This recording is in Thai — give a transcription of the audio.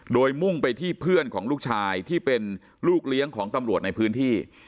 โดยมุ่งไปที่เพื่อนของลูกชายที่เป็นลูกเลี้ยงของตำรวจในพื้นที่